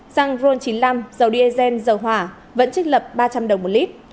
xăng ron chín mươi năm dầu diesel dầu hỏa vẫn trích lập ba trăm linh đồng một lít